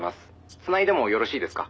「繋いでもよろしいですか？」